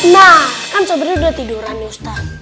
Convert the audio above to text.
nah kan sobri udah tiduran ustaz